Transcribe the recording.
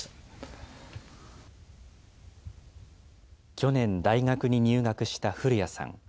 去年、大学に入学した古屋さん。